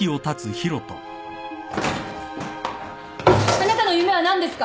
あなたの夢は何ですか。